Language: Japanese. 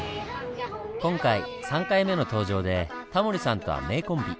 今回３回目の登場でタモリさんとは名コンビ。